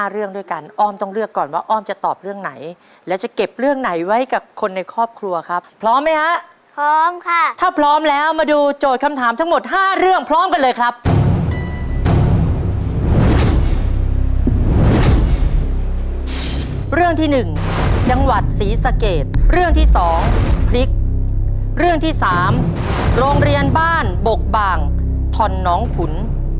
เรื่องที่หนึ่งจังหวัดศรีสะเกตเรื่องที่สองพริกเรื่องที่สามโรงเรียนบ้านบกบ่างถ่อนน้องขุน